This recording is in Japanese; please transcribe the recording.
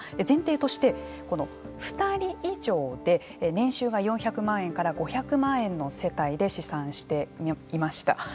前提として２人以上で年収が４００万円から５００万円の世帯で試算しています。